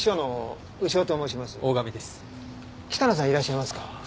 北野さんいらっしゃいますか？